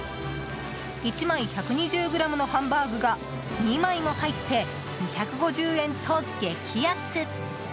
１枚１２０ｇのハンバーグが２枚も入って２５０円と激安！